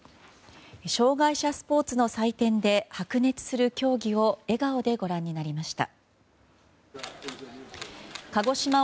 障害者スポーツの祭典で白熱する競技を笑顔でご覧になりました。